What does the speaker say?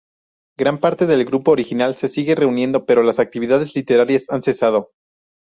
Gran parte del grupo original se sigue reuniendo pero las actividades literarias han cesado.